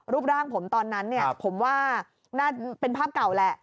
รูปร่างผมตอนนั้นผมว่าน่าเป็นภาพเก่าแหละ